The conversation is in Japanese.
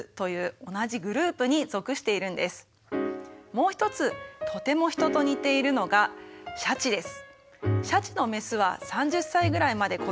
もう一つとてもヒトと似ているのがシャチです。